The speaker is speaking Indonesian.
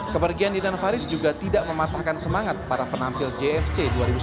kepergian dinan faris juga tidak mematahkan semangat para penampil jfc dua ribu sembilan belas